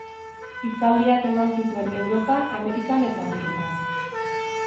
Hitzaldiak eman zituen Europan, Amerikan eta Afrikan.